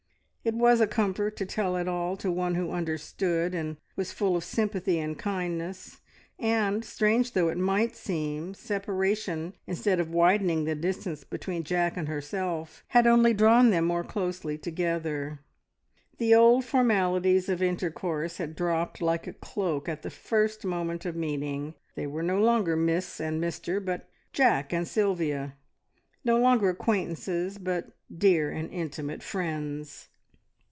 It was a comfort to tell it all to one who understood, and was full of sympathy and kindness, and strange though it might seem, separation, instead of widening the distance between Jack and herself, had only drawn them more closely together. The old formalities of intercourse had dropped like a cloak at the first moment of meeting; they were no longer Miss and Mr, but "Jack" and "Sylvia"; no longer acquaintances, but dear and intimate friends.